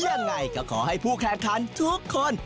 ยังไงก็ขอให้ผู้แข่งขันทุกคน